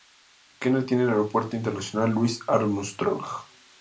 Kenner tiene el Aeropuerto Internacional Louis Armstrong.